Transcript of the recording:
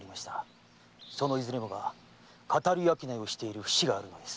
そのいずれもが騙り商いをしている節があるのです。